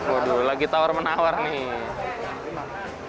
waduh lagi tawar menawar nih